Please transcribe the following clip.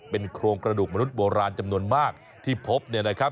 เป็นโครงกระดูกมนุษย์โบราณจำนวนมากที่พบเนี่ยนะครับ